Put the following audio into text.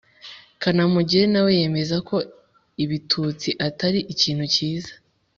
kanamugire , nawe yemeza ko ibitutsi atari ikintu cyiza